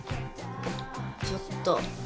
ちょっと。